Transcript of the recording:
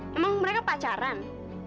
memang mereka pacaran